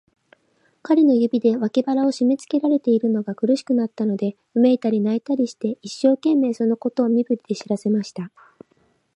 彼の指で、脇腹をしめつけられているのが苦しくなったので、うめいたり、泣いたりして、一生懸命、そのことを身振りで知らせました。